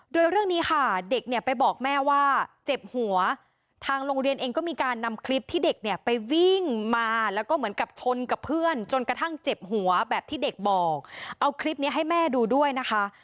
โดยเรื่องนี้ค่ะเด็กเนี่ยไปบอกแม่ว่าเจ็บหัวทางโรงเรียนเองก็มีการนำคลิปที่เด็กเนี่ยไปวิ่งมาแล้วก็เหมือนกับชนกับเพื่อนจนกระทั่งเจ็บหัวแบบที่เด็กบอกเอาคลิปนี้ให้แม่ดูด้วยนะคะ